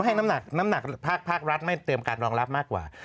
ให้น้ำหนักน้ำหนักภาครัฐไม่เตรียมการรองรับมากกว่า